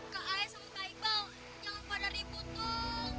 kak aes sama kak ibang jangan pada ribut tuh